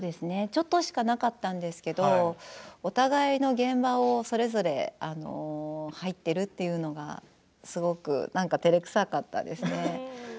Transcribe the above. ちょっとしかなかったんですけれどお互いの現場にそれぞれ入っているというのがすごくてれくさかったですね。